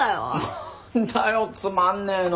何だよつまんねえの！